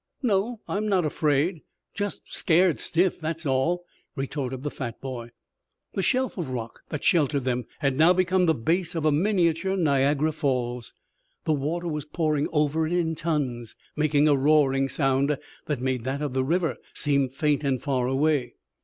"No, I'm not afraid. Just scared stiff, that's all," retorted the fat boy. The shelf of rock that sheltered them had now become the base of a miniature Niagara Falls. The water was pouring over it in tons, making a roaring sound that made that of the river seem faint and far away.